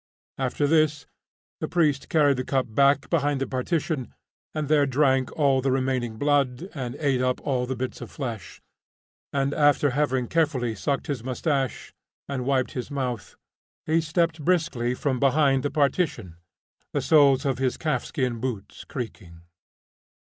After this the priest carried the cup back behind the partition, and there drank all the remaining blood and ate up all the bits of flesh, and after having carefully sucked his moustaches and wiped his mouth, he stepped briskly from behind the partition, the soles of his calfskin boots creaking.